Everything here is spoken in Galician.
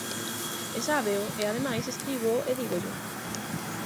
E sábeo e ademais escríboo e dígollo.